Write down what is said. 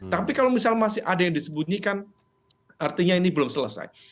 tapi kalau misalnya masih ada yang disembunyikan artinya ini belum selesai